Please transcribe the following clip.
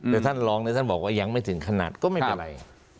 เดี๋ยวท่านลองเดี๋ยวท่านบอกว่ายังไม่ถึงขนาดก็ไม่เป็นไร